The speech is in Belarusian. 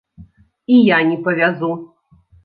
І я не павязу.